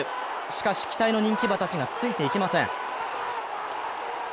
しかし、期待の人気馬たちがついていけません。